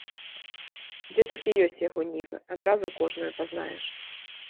Дзе толькі ёсць яго нівы, адразу кожную пазнаеш.